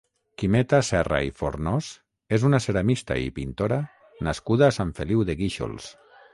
Quimeta Serra i Fornós és una ceramista i pintora nascuda a Sant Feliu de Guíxols.